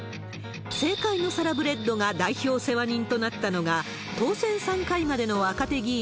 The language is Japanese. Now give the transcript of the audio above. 政界のサラブレッドが代表世話人となったのが、当選３回までの若手議員